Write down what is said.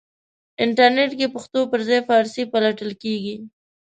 انټرنېټ کې پښتو پرځای فارسی پلټل کېږي.